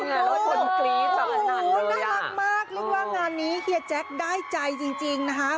อุ๊ยน่ารักมากเรียกว่างานนี้เฮียแจ๊คได้ใจจริงนะคะ